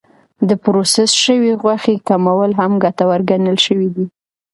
د پروسس شوې غوښې کمول هم ګټور ګڼل شوی دی.